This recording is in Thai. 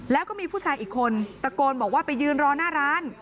แล้วก็มีผู้ชายอีกคนตะโกนบอกว่าไปยืนรอหน้าร้าน